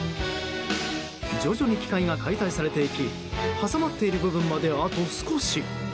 徐々に機械が解体されていき挟まっている部分まであと少し。